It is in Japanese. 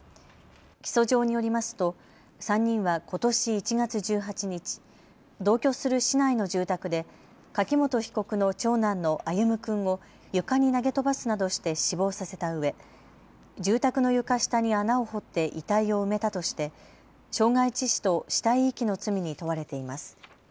起訴状によりますと３人はことし１月１８日、同居する市内の住宅で柿本被告の長男の歩夢君を床に投げ飛ばすなどして死亡させたうえ住宅の床下に穴を掘って遺体を埋めたとして傷害致死と死体遺棄の罪に問われています。